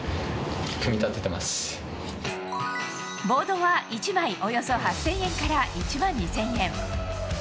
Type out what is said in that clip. ボードは１枚およそ８０００円から１万２０００円。